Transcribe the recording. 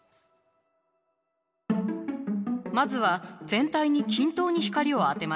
まずは全体に均等に光を当てます。